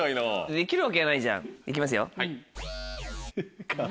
できるわけないじゃん行きますよ。